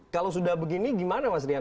kalau sudah begini gimana mas rian